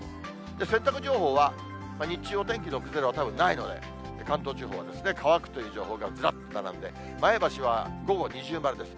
洗濯情報は、日中お天気の崩れはたぶんないので、関東地方は乾くという情報がずらっと並んで、前橋は午後二重丸です。